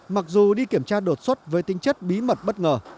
mặc dù đi kiểm tra đột xuất với tinh chất bí mật bất ngờ